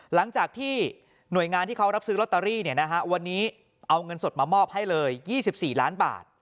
หลังจากที่หน่วยงานที่เขารับซื้อลอตเตอรี่วันนี้เอาเงินสดมามอบให้เลย๒๔ล้านบาท